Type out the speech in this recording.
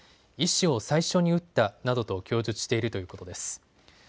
医師を最初に撃ったなどと供述しているということです。